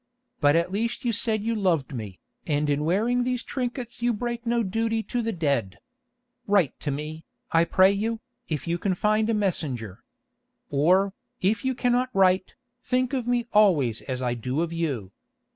But at least you said you loved me, and in wearing these trinkets you break no duty to the dead. Write to me, I pray you, if you can find a messenger. Or, if you cannot write, think of me always as I do of you.